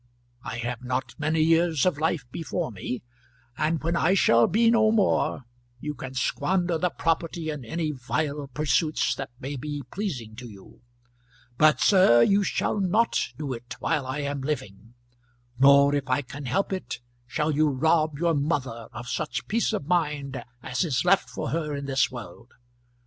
I have not many years of life before me, and when I shall be no more, you can squander the property in any vile pursuits that may be pleasing to you. But, sir, you shall not do it while I am living; nor, if I can help it, shall you rob your mother of such peace of mind as is left for her in this world.